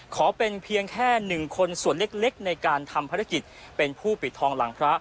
ขอเป็นเพียงแค่๑คนส่วนเล็กในการทำภารกิจเป็นผู้ปิดทองหลังพระ